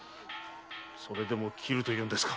それでも斬るというんですか？